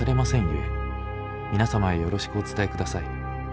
ゆえ皆様へよろしくお伝えください。